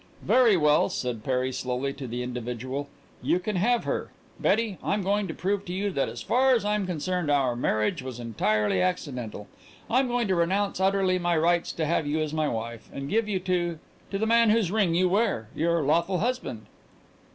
"Very well," said Perry slowly to the individual, "you can have her. Betty, I'm going to prove to you that as far as I'm concerned our marriage was entirely accidental. I'm going to renounce utterly my rights to have you as my wife, and give you to to the man whose ring you wear your lawful husband."